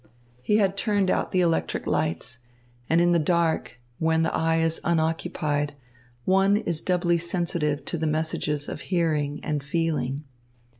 He had turned out the electric lights, and in the dark, when the eye is unoccupied, one is doubly sensitive to the messages of hearing and feeling.